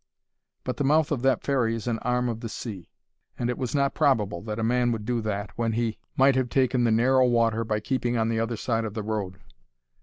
But the mouth of that ferry is an arm of the sea, and it was not probable that a man would do that when he might have taken the narrow water by keeping on the other side of the road.